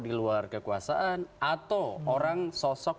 di luar kekuasaan atau orang sosok